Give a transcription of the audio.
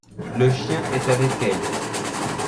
Le chien est avec elles.